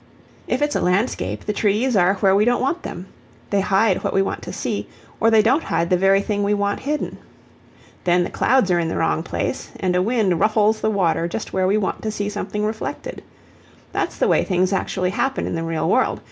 If it's a landscape the trees are where we don't want them; they hide what we want to see, or they don't hide the very thing we want hidden. Then the clouds are in the wrong place, and a wind ruffles the water just where we want to see something reflected. That's the way things actually happen in the real world.